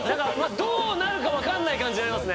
どうなるか分かんない感じありますね、